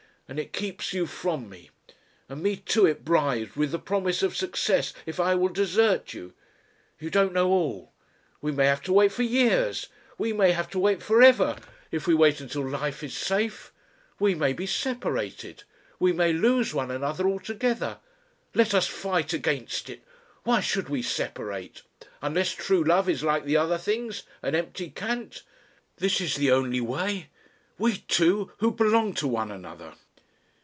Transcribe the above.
And it keeps you from me. And me too it bribes with the promise of success if I will desert you ... You don't know all ... We may have to wait for years we may have to wait for ever, if we wait until life is safe. We may be separated.... We may lose one another altogether.... Let us fight against it. Why should we separate? Unless True Love is like the other things an empty cant. This is the only way. We two who belong to one another."